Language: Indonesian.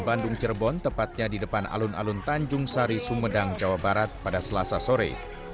bandung cirebon tepatnya di depan alun alun tanjung sari sumedang jawa barat pada selasa sore